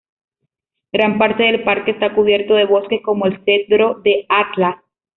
Gran parte del parque está cubierto de bosques como el cedro del Atlas.